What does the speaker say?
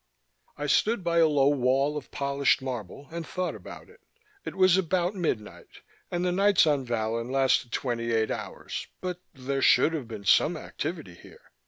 I stood by a low wall of polished marble and thought about it. It was about midnight, and the nights on Vallon lasted twenty eight hours, but there should have been some activity here.